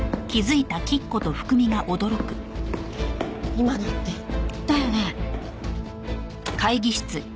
今のって。だよね？